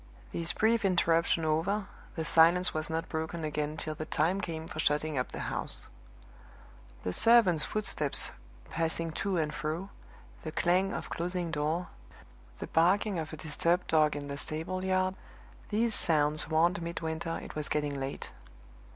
This brief interruption over, the silence was not broken again till the time came for shutting up the house. The servants' footsteps passing to and fro, the clang of closing doors, the barking of a disturbed dog in the stable yard these sounds warned Midwinter it was getting late.